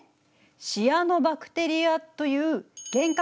シアノバクテリアという原核